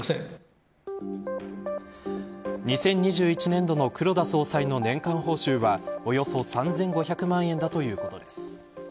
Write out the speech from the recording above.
２０２１年度の黒田総裁の年間報酬はおよそ３５００万円だということです。